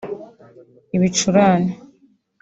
ibicurane